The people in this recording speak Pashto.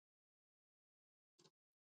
نۀ يواځې د دې فلم نندارې ته وړاندې کول